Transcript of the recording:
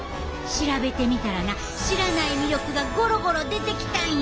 調べてみたらな知らない魅力がゴロゴロ出てきたんよ！